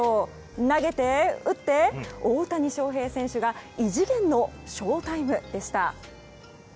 投げて、打って大谷翔平選手が異次元のショウタイムでした。